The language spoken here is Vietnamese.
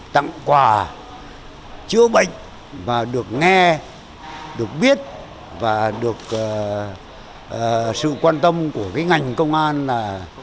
tặng quà chữa bệnh và được nghe được biết và được sự quan tâm của cái ngành công an là